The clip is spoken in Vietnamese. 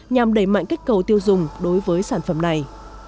nhằm đẩy mạnh kết cầu tiêu dùng đối với sản phẩm này